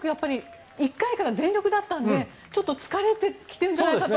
１回から全力だったので疲れてきてるんじゃないかと。